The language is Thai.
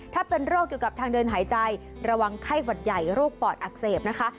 ถ้าเป็นโรคเกี่ยวกับทางเดินหายใจระวังไข้หวัดใหญ่โรคปอดอักเสบนะคะ